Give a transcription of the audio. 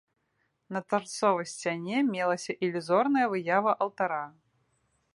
На тарцовай сцяне мелася ілюзорная выява алтара.